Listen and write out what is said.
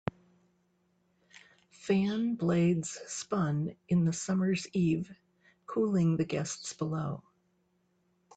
Fan blades spun in the summer's eve, cooling the guests below.